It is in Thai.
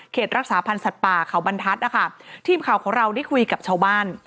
เขตรักษาพันธุ์สัตว์ป่าเข่าบรรทัสที่ข่าวของเราได้คุยกับชาวบ้าน